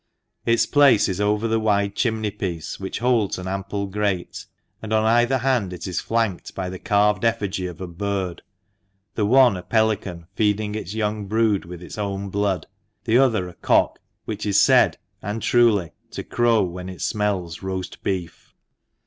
Its place is over the wide chimneypiece, which holds an ample grate ; and on either hand it is flanked by the carved effigy of a bird, the one a pelican feeding its young brood with its own blood, the other a cock, which is said (and truly) to crow when it smells roast beef.